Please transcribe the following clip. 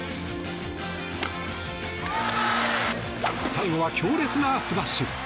最後は強烈なスマッシュ。